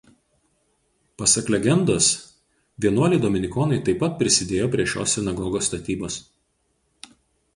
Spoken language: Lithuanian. Pasak legendos vienuoliai dominikonai taip pat prisidėjo prie šios sinagogos statybos.